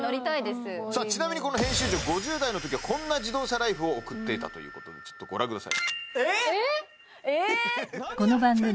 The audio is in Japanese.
ちなみにこの編集長５０代のときはこんな自動車ライフを送っていたということでちょっとご覧ください